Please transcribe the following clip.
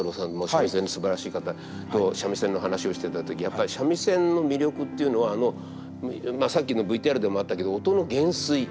三味線のすばらしい方と三味線の話をしてた時やっぱり三味線の魅力っていうのはさっきのＶＴＲでもあったけど音の減衰。